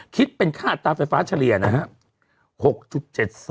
คิดเป็นค่าอัตราไฟฟ้าเฉลี่ยนะครับ